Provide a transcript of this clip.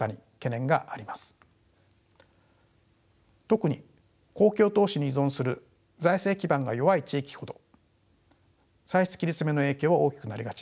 特に公共投資に依存する財政基盤が弱い地域ほど歳出切り詰めの影響は大きくなりがちです。